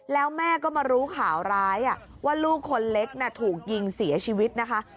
แล้วแม่ก็มารู้ข่าวร้ายว่าลูกคนเล็กถูกยิงเสียชีวิตนะคะ